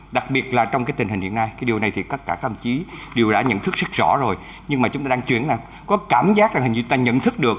điều đã nhận thức rất rõ rồi nhưng mà chúng ta đang chuyển là có cảm giác là hình như ta nhận thức được